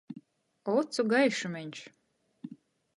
Ocu gaišumeņš!